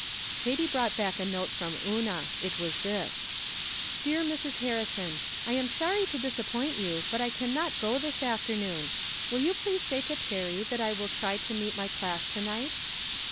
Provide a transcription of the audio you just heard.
Katy brought back a note from Una. It was this : Dear Mrs. Harrison :— I am sorry to disap point you, but I can not go this afternoon. Will you please say to Perry that I wid try to meet my class to night.